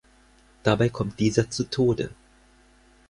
Dabei kommt dieser zu Tode.